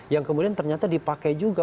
yang kemudian ternyata dipakai juga